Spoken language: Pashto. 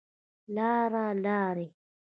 لاړه, لاړې